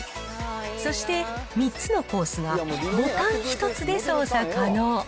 そして３つのコースがボタン１つで操作可能。